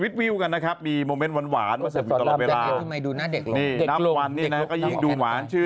ดูหน้าเด็กลง